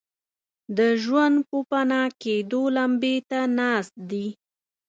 د ژوند پوپناه کېدو لمبې ته ناست دي.